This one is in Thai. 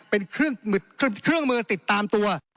เป็นเครื่องมือติดตามตัว